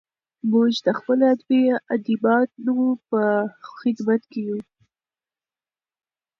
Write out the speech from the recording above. موږ د خپلو ادیبانو په خدمت کې یو.